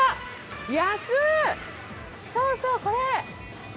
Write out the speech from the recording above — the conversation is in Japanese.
そうそうこれ。